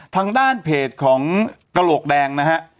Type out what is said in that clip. ทางด้านเพจของกระโหลกแดงนะฮะ